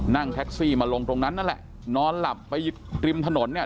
นั่งแท็กซี่มาลงตรงนั้นนั่นแหละนอนหลับไปริมถนนเนี่ย